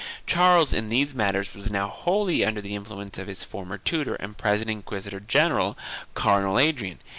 Charles, in these matters was now wholly under the influence of his former tutor and present inquisitor general Cardinal Adrian.